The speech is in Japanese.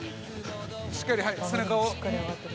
しっかり背中を。